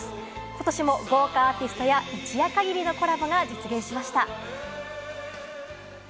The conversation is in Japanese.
ことしも豪華アーティストや一夜限りのコラボが実現しました。